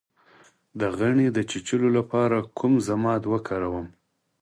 د غڼې د چیچلو لپاره کوم ضماد وکاروم؟